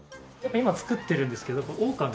今作ってるんですけどオオカミ。